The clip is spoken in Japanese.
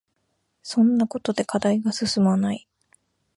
そんなこんなで課題が進まない